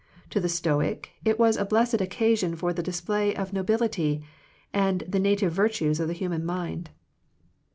To the Stoic it was a blessed occasion for the display of nobil ity and the native virtues of the human mind.